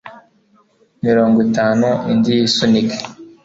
mirongwitanu indi yisunike